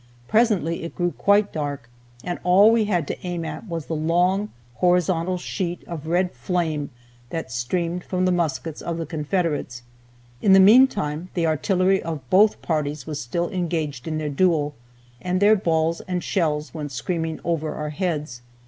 Presently it grew quite dark, and all we had to aim at was the long horizontal sheet of red flame that streamed from the muskets of the Confederates. In the mean time the artillery of both parties was still engaged in their duel, and their balls and shells went screaming over our heads.